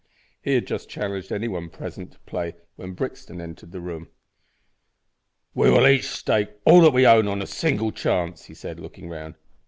He had just challenged any one present to play when Brixton entered the room. "We will each stake all that we own on a single chance," he said, looking round.